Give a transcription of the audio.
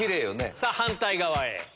さぁ反対側へ。